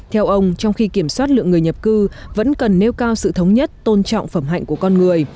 theo ông trong khi kiểm soát lượng người nhập cư vẫn cần nêu cao sự thống nhất tôn trọng phẩm hạnh của con người